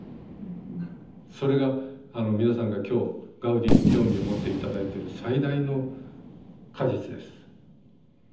それが皆さんが今日ガウディに興味を持って頂いてる最大の果実です。